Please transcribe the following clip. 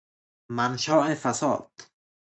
منشاء فساد